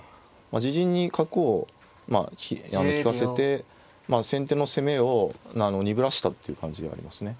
自陣に角を利かせて先手の攻めを鈍らしたっていう感じではありますね。